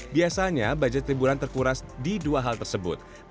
biasanya budget liburan terkuras di dua hal tersebut